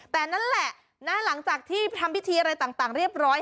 แต่นั่นแหละนะหลังจากที่ทำพิธีอะไรต่างเรียบร้อย